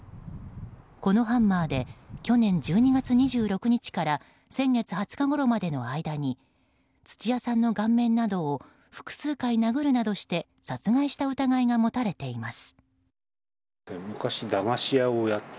このハンマーで去年１２月２６日から先月２０日ごろまでの間に土屋さんの顔面などを複数回殴るなどして殺害した疑いが持たれています。